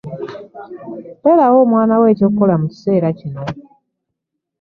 Terawo omwana wo eky'okukola mu kiseera kino.